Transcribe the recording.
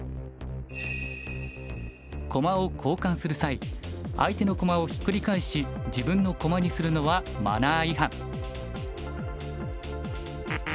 駒を交換する際相手の駒をひっくり返し自分の駒にするのはマナー違反。